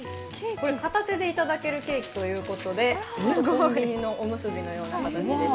片手でいただけるケーキということでコンビニのおむすびのような形です。